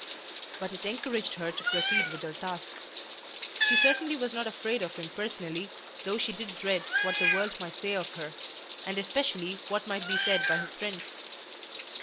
But it encouraged her to proceed with her task. She certainly was not afraid of him personally, though she did dread what the world might say of her, and especially what might be said by his friends.